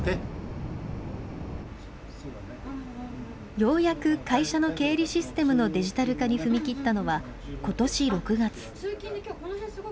ようやく会社の経理システムのデジタル化に踏み切ったのはことし６月。